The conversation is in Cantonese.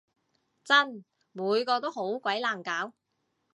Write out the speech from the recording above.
真！每個都好鬼難搞